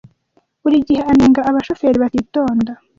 Buri gihe anenga abashoferi batitonda.